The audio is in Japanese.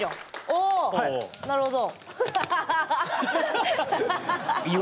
あなるほど。